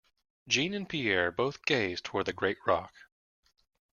Jeanne and Pierre both gazed toward the great rock.